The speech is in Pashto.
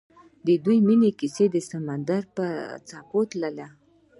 د دوی د مینې کیسه د سمندر په څېر تلله.